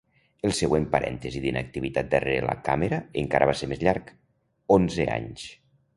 El següent parèntesi d'inactivitat darrere la càmera encara va ser més llarg: onze anys.